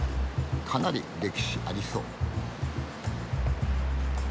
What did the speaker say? かなり歴史ありそう。